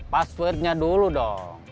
passwordnya dulu dong